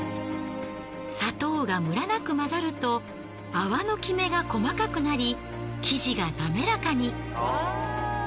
砂糖がムラなく混ざると泡のきめが細かくなり生地が滑らかに。